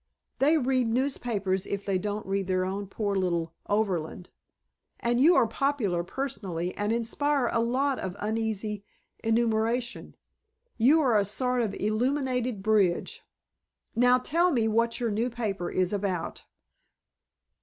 They read newspapers if they won't read their own poor little Overland. And you are popular personally and inspire a sort of uneasy emulation. You are a sort of illuminated bridge. Now tell me what your new paper is about."